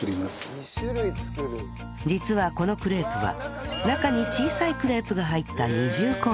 実はこのクレープは中に小さいクレープが入った二重構造